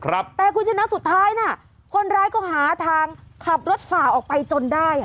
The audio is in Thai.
แต่การคุ้นชนะสุดท้ายคนร้ายก็หาทางขับรถฝ่าออกจนได้